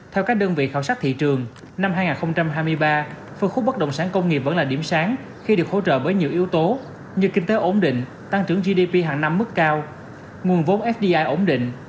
theo các đơn vị khảo sát thị trường năm hai nghìn hai mươi ba phân khúc bất động sản công nghiệp vẫn là điểm sáng khi được hỗ trợ bởi nhiều yếu tố như kinh tế ổn định tăng trưởng gdp hàng năm mức cao nguồn vốn fdi ổn định